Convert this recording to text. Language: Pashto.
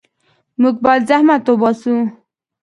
موږ باید زحمت وباسو.